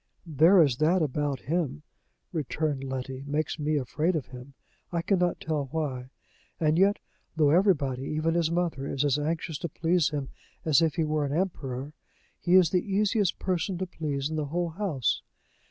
"There is that about him," returned Letty, "makes me afraid of him I can not tell why. And yet, though everybody, even his mother, is as anxious to please him as if he were an emperor, he is the easiest person to please in the whole house.